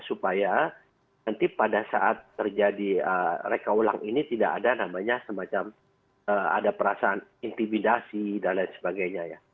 supaya nanti pada saat terjadi reka ulang ini tidak ada namanya semacam ada perasaan intimidasi dan lain sebagainya ya